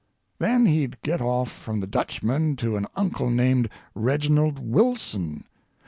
Then he'd get off from the Dutchman to an uncle named Reginald Wilson.